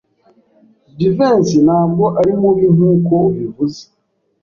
Jivency ntabwo ari mubi nkuko ubivuze.